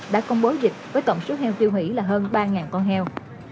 đã công bố dịch với tổng số heo tiêu hủy là hơn ba con heo